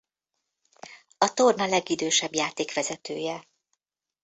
A torna legidősebb játékvezetője.